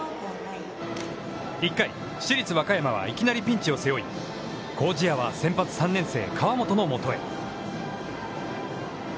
１回、市立和歌山はいきなりピンチを背負い、麹家は先発３年生、川本のもとへ。